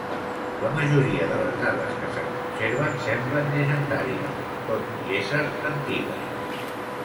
La majoria de les dades que se'n conserven semblen llegendàries, tot i ésser antigues.